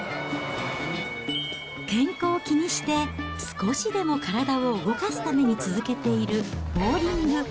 健康を気にして、少しでも体を動かすために続けているボウリング。